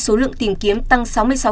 số lượng tìm kiếm tăng sáu mươi sáu